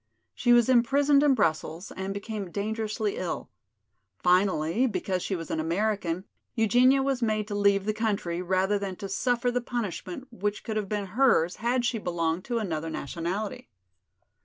She was imprisoned in Brussels, and became dangerously ill. Finally, because she was an American, Eugenia was made to leave the country, rather than to suffer the punishment which would have been hers had she belonged to another nationality.